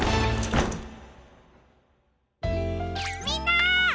みんな！